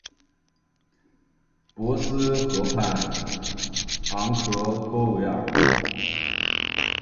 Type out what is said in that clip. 博斯河畔昂克托维尔。